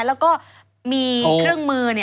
แล้วก็มีเครื่องมือเนี่ย